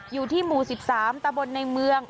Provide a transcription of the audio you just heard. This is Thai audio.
อยู่ที่หมู่๑๓ตะบนในเมือง